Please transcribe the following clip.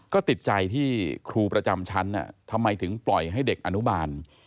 ก็ติดใจที่ครูประจำชั้นทำไมถึงปล่อยให้เด็กอนุบาล